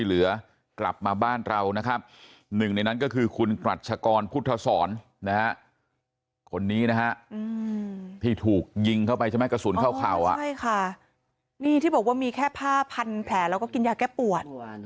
นี่ที่บอกว่ามีแค่ผ้าพันแผลแล้วก็กินยาแก้ปวด